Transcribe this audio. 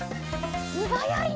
すばやいな。